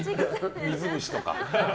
水虫とか。